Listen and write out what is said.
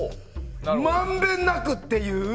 まんべんなくっていう。